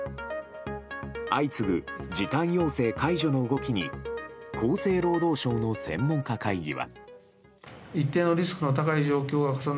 相次ぐ時短要請解除の動きに厚生労働省の専門家会議は。